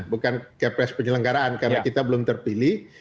bukan kepres penyelenggaraan karena kita belum terpilih